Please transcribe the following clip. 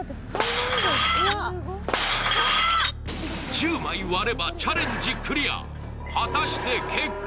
１０枚割ればチャレンジクリア。